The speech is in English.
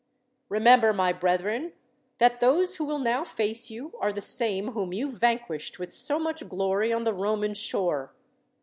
"Remember, my brethren, that those who will now face you, are the same whom you vanquished with so much glory on the Roman shore.